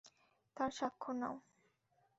তার স্বাক্ষর নাও।